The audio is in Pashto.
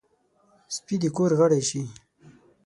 سپي د کور غړی شي.